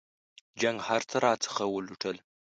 جنګ هرڅه راڅخه ولوټل.